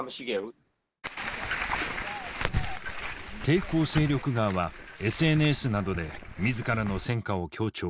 抵抗勢力側はＳＮＳなどで自らの戦果を強調。